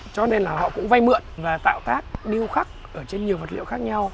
cho nên là họ cũng vay mượn và tạo tác điêu khắc ở trên nhiều vật liệu khác nhau